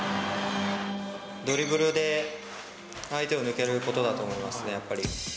ドリブルで相手を抜けることだと思いますね、やっぱり。